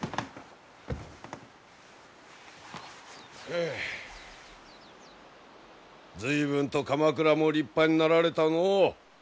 はあ随分と鎌倉も立派になられたのう。